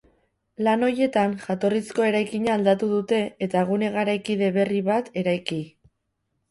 Lan horietan, jatorrizko eraikina aldatu dute eta gune garaikide berri bat eraiki.